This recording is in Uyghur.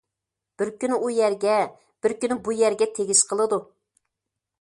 بىر كۈنى ئۇ يەرگە، بىر كۈنى بۇ يەرگە تېگىش قىلىدۇ.